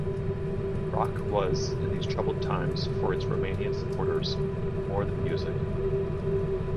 Rock was in these troubled times for its Romanian supporters more than music.